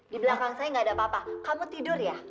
di belakang saya nggak ada papa kamu tidur ya